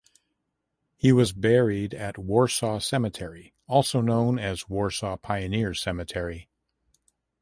He was buried at Warsaw Cemetery (also known as Warsaw Pioneer Cemetery).